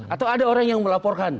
atau ada orang yang melaporkan